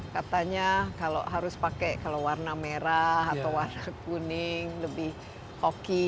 katanya kalau harus pakai kalau warna merah atau warna kuning lebih oki